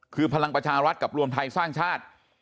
คือพลังประชารัฐกับรวมไทยสร้างชาติ